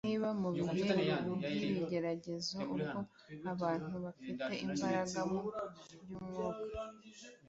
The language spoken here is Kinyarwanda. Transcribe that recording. Niba mu bihe byibigeragezo ubwo abantu bafite imbaraga mu byumwuka